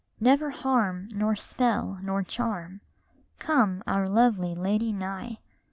Never harm, nor spell, nor charm, Come our lovely lady nigh